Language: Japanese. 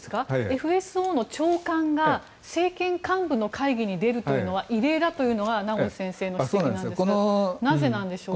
ＦＳＯの長官が政権幹部の会議に出るというのは異例だというのは名越先生の指摘なんですがなぜなんでしょうか。